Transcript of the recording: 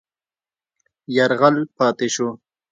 یرغل پاتې شو.